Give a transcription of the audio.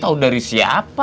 tahu dari siapa